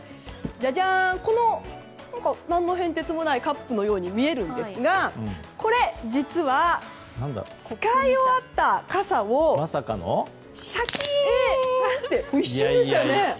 この何の変哲もないカップのように見えるんですがこれ、実は使い終わった傘をシャキーン！と一瞬ですよね。